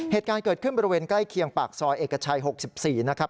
เหตุการณ์เกิดขึ้นบริเวณใกล้เคียงปากซอยเอกชัย๖๔นะครับ